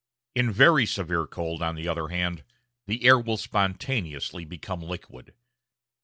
In very severe cold, on the other hand, the air will spontaneously become liquid.